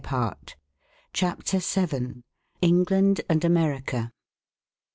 40 CHAPTER VII. ENGLAND AND AMERICA.